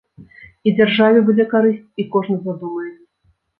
І дзяржаве будзе карысць, і кожны задумаецца.